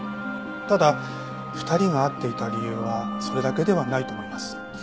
ただ２人が会っていた理由はそれだけではないと思います。